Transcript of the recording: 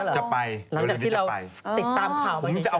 จะไปเหรอหลังจากที่เราติดตามข่าวไม่ได้ใช่ไหม